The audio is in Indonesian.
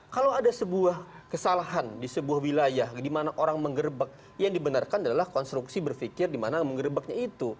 kalau ada sebuah kesalahan di sebuah wilayah di mana orang menggerbek yang dibenarkan adalah konstruksi berpikir di mana menggerbeknya itu